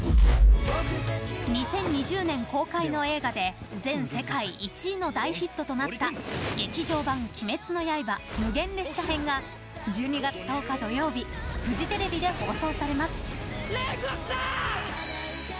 ２０２０年公開の映画で全世界１位の大ヒットとなった「劇場版鬼滅の刃無限列車編」が１２月１０日土曜日フジテレビで放送されます。